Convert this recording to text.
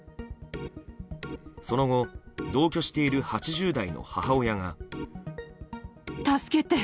その後、同居している８０代の母親が。